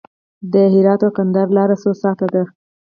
د هرات او کندهار لاره څو ساعته ده؟